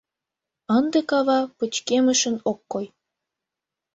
Ынде кава пычкемышын ок кой.